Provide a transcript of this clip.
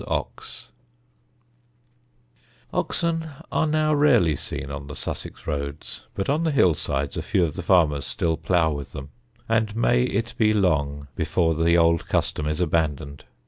[Sidenote: OXEN OF THE HILLS] Oxen are now rarely seen on the Sussex roads, but on the hill sides a few of the farmers still plough with them; and may it be long before the old custom is abandoned!